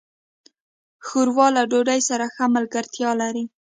ښوروا له ډوډۍ سره ښه ملګرتیا لري.